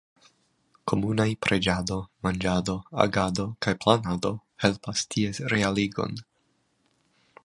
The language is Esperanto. Komunaj preĝado, manĝado, agado kaj planado helpas ties realigon.